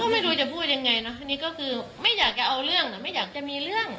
ไม่รู้จะพูดยังไงนะทีนี้ก็คือไม่อยากจะเอาเรื่องนะไม่อยากจะมีเรื่อง